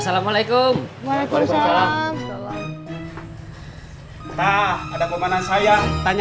nah aku ganasnya